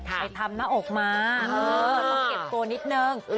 ไอ้ทำหน้าอกมาเออมันต้องเก็บตัวนิดนึง